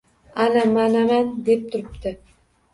Ana, manaman, deb turibdi.